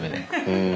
うん。